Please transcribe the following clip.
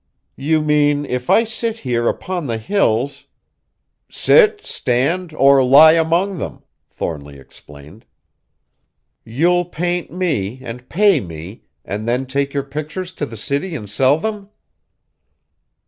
"You mean, if I sit here upon the Hills " "Sit, stand, or lie among them," Thornly explained. "You'll paint me, and pay me, and then take your pictures to the city and sell them?"